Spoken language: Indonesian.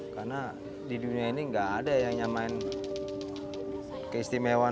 karena di dunia ini nggak ada yang nyamain keistimewaan